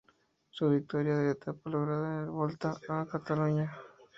Su victoria de etapa lograda en el Volta a Cataluña.